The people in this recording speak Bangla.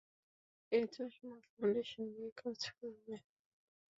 এ চশমা ফোনের সঙ্গে কাজ করবে।